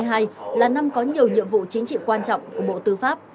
năm hai nghìn hai mươi hai là năm có nhiều nhiệm vụ chính trị quan trọng của bộ tư pháp